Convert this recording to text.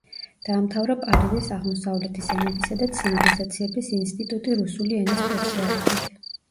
დაამთავრა პარიზის აღმოსავლეთის ენებისა და ცივილიზაციების ინსტიტუტი რუსული ენის სპეციალობით.